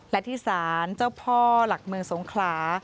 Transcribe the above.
และที่ศาลเจ้าพ่อหลักเมืองสงขลา